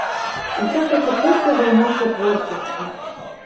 А хочацца проста займацца творчасцю.